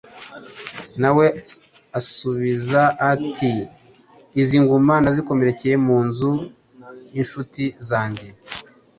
Na we azabasubiza ati: ‘Izi nguma nazikomerekeye mu nzu y’incuti zanjye.”.